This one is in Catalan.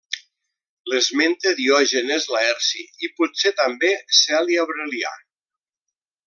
L'esmenta Diògenes Laerci i potser també Celi Aurelià.